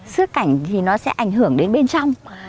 xước cảnh thì nó sẽ ảnh hưởng đến bên trong